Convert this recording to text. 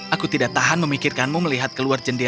aku tidak tahan memikirkanmu melihat keluar jendela